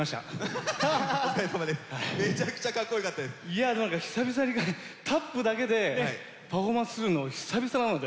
いやでも何か久々にタップだけでパフォーマンスするの久々なので。